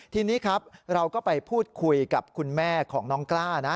ทีนี้ครับเราก็ไปพูดคุยกับคุณแม่ของน้องกล้านะ